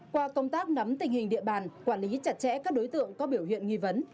qua công tác nắm tình hình địa bàn quản lý chặt chẽ các đối tượng có biểu hiện nghi vấn